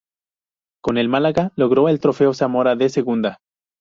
Con el Málaga logró el Trofeo Zamora de Segunda.